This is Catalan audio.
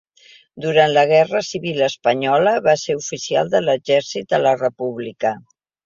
Durant la guerra civil espanyola va ser oficial de l'exèrcit de la República.